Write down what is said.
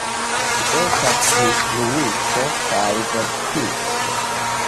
Ŝi estas instruisto kaj verkisto.